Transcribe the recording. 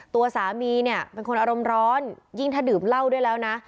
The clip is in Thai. ตัวสามีเนี่ยเป็นคนอารมณ์ร้อนยิ่งถ้าดื่มเหล้าด้วยแล้วนะ